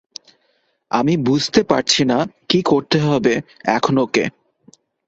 আমি বুঝতে পারছি না কি করতে হবে এখন ওকে।